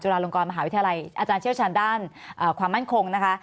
จุฬาหลงกรภรรยามหาวิทยาลัยอเชียวชาญด้านความมั่นคงนะคะ